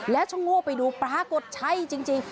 และเฉาห์งวไปดูปรากฏใช่จริง